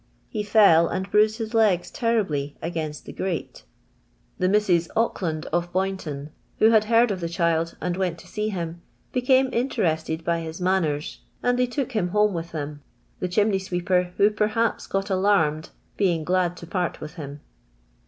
He fell and bruised his legs terribly against the grate. The Misses Auckland of Boynton, who had heard of the child, and went to sec him, beoime interested by his nuinners, and they took him home with them ; tlie chimney sweeper, who perhaps got alanned, being glad to [art witli him.